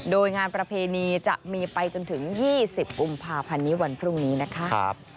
โดยงานประเพณีจะมีไปจนถึง๒๐กุมภาพันธ์นี้วันพรุ่งนี้นะคะ